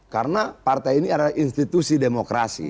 karena partai ini adalah institusi demokrasi